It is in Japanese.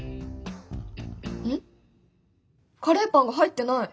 カレーパンが入ってない。